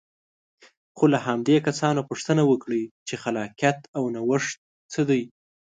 خو که له همدې کسانو پوښتنه وکړئ چې خلاقیت او نوښت څه دی.